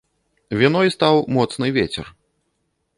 Віной стаў моцны вецер.